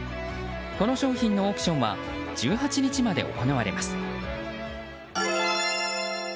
この商品のオークションは１８日まで行われます。